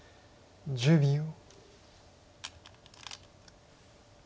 １０秒。